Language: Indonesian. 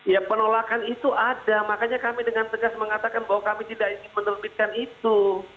ya penolakan itu ada makanya kami dengan tegas mengatakan bahwa kami tidak ingin menerbitkan itu